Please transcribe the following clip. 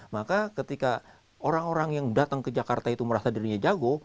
maka ketika orang orang yang datang ke jakarta itu merasa dirinya jago